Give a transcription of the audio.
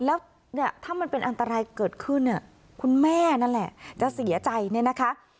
แล้วเนี่ยถ้ามันเป็นอันตรายเกิดขึ้นเนี่ยคุณแม่นั่นแหละจะเสียใจเนี่ยนะคะ